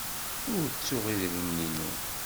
Ur ttuɣ idrimen-inu.